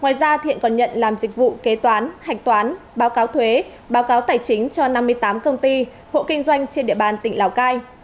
ngoài ra thiện còn nhận làm dịch vụ kế toán hạch toán báo cáo thuế báo cáo tài chính cho năm mươi tám công ty hộ kinh doanh trên địa bàn tỉnh lào cai